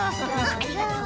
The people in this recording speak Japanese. ありがとう。